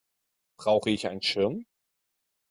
Brauche ich einen Schirm?